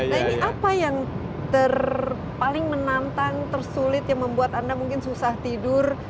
nah ini apa yang paling menantang tersulit yang membuat anda mungkin susah tidur